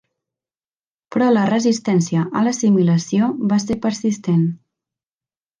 Però la resistència a l'assimilació va ser persistent.